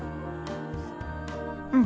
うん！